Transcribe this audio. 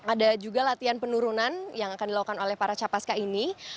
ada juga latihan penurunan yang akan dilakukan oleh para capaska ini